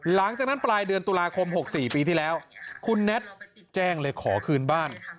หลังจากนั้นปลายเดือนตุลาคม๖๔ปีที่แล้วคุณแน็ตแจ้งเลยขอคืนบ้าน